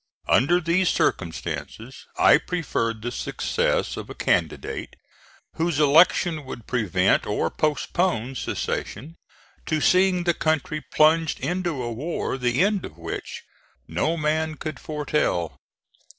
Under these circumstances I preferred the success of a candidate whose election would prevent or postpone secession, to seeing the country plunged into a war the end of which no man could foretell.